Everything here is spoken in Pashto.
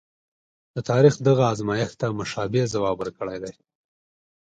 د تاریخ دغه ازمایښت ته مشابه ځواب ورکړی دی.